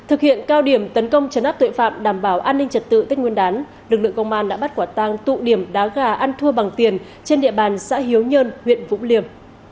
thực hiện cao điểm tấn công chấn áp tội phạm đảm bảo an ninh trật tự tích nguyên đán lực lượng công an đã bắt quả tang tụ điểm đá gà ăn thua bằng tiền trên địa bàn xã hiếu nhơn huyện vũng liêm